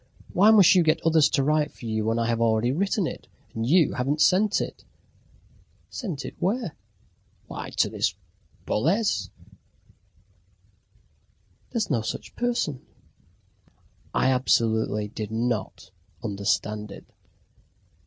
Why must you get others to write for you when I have already written it, and you haven't sent it?" "Sent it where?" "Why, to this Boles." "There's no such person." I absolutely did not understand it.